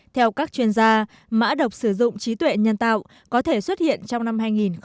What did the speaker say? theo các chuyên gia mã độc sử dụng trí tuệ nhân tạo có thể xuất hiện trong năm hai nghìn một mươi chín